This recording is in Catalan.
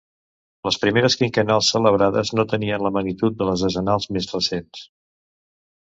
Les primeres quinquennals celebrades no tenien la magnitud de les decennals més recents.